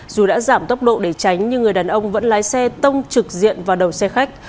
dù đã giảm tốc độ để tránh nhưng người đàn ông vẫn lái xe tông trực diện vào đầu xe khách